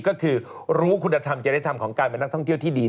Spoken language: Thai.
ก็คือรู้คุณธรรมจริยธรรมของการเป็นนักท่องเที่ยวที่ดี